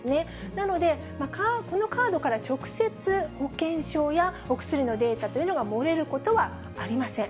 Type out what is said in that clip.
なので、このカードから直接、保険証やお薬のデータというのが漏れることはありません。